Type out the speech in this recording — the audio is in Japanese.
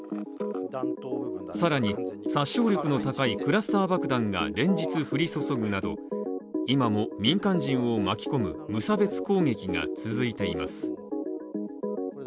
更に、殺傷力の高いクラスター爆弾が連日降り注ぐなど今も、民間人を巻き込む、無差別攻撃が続いています。